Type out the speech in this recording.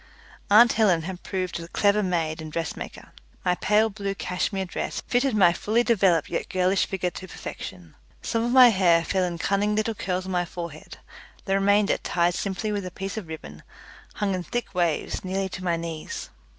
Aunt Helen had proved a clever maid and dressmaker. My pale blue cashmere dress fitted my fully developed yet girlish figure to perfection. Some of my hair fell in cunning little curls on my forehead; the remainder, tied simply with a piece of ribbon, hung in thick waves nearly to my knees.